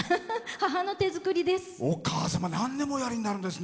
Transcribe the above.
母の手作りです。